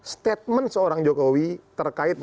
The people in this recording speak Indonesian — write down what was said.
statement seorang jokowi terkait